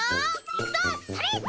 いくぞそれ！